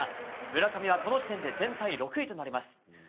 村上はこの時点で全体６位となります。